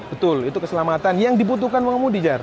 betul itu keselamatan yang dibutuhkan pengemudi jar